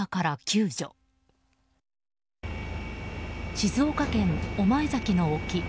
静岡県御前崎の沖。